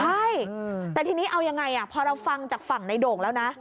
ใช่แต่ทีนี้เอายังไงพอเราฟังจากฝั่งในโด่งแล้วนะ